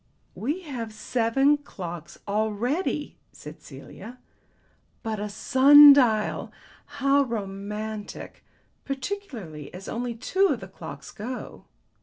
"We have seven clocks already," said Celia. "But a sun dial! How romantic. Particularly as only two of the clocks go.